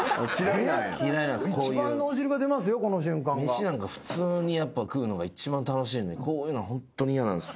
飯なんか普通に食うのが一番楽しいのにこういうのはホントに嫌なんです。